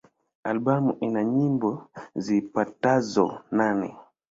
Albamu ina nyimbo zipatazo nane.